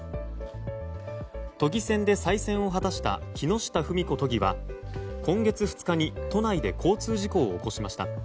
都議選で再選を果たした木下富美子都議は今月２日に都内で交通事故を起こしました。